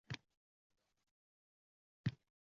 unga yana -si tirkash ortiqcha va xato